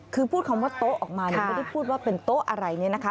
คือพูดคำว่าโต๊ะออกมาเนี่ยไม่ได้พูดว่าเป็นโต๊ะอะไรเนี่ยนะคะ